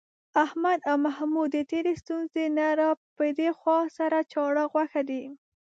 احمد او محمود د تېرې ستونزې نه را پدېخوا، سره چاړه غوښه دي.